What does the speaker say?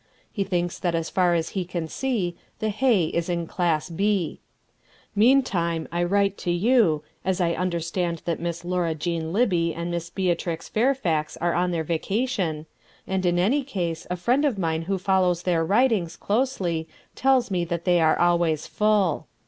He thinks that as far as he can see, the Hay is in class B. Meantime I write to you, as I understand that Miss Laura Jean Libby and Miss Beatrix Fairfax are on their vacation, and in any case a friend of mine who follows their writings closely tells me that they are always full.